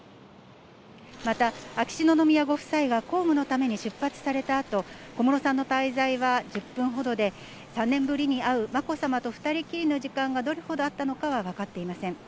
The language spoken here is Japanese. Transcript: また秋篠宮ご夫妻が公務のために出発されたあと、小室さんの滞在は１０分ほどで、３年ぶりに会うまこさまと２人きりの時間がどれほどあったのかは分かっていません。